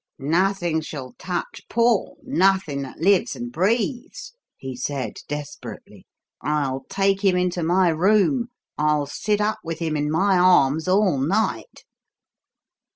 'Nothing shall touch Paul nothing that lives and breathes,' he said, desperately. 'I'll take him into my room; I'll sit up with him in my arms all night!'"